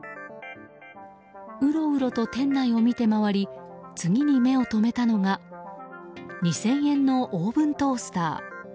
うろうろと店内を見て回り次に目を止めたのが２０００円のオーブントースター。